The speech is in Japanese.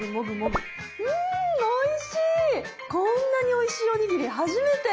こんなにおいしいおにぎり初めて！